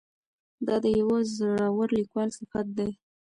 دا د یوه زړور لیکوال صفت دی.